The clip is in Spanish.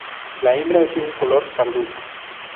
La hembra es de un color parduzco.